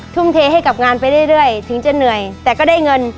ทุ่มเทให้กับงานไปเรื่อยถึงจะเหนื่อยแต่ก็ได้เงิน